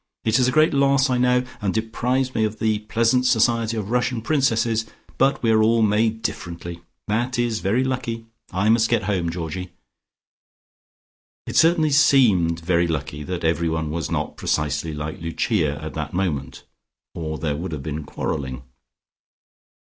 It is a great loss I know, and deprives me of the pleasant society of Russian princesses. But we are all made differently; that is very lucky. I must get home, Georgie." It certainly seemed very lucky that everyone was not precisely like Lucia at that moment, or there would have been quarrelling.